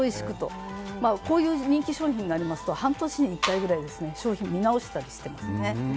こういう人気商品になりますと半年に１回くらい商品を見直したりしていますね。